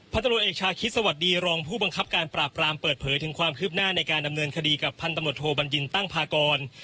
ตรวจเอกชาคิดสวัสดีรองผู้บังคับการปราบรามเปิดเผยถึงความคืบหน้าในการดำเนินคดีกับพันตำรวจโทบัญญินตั้งพากร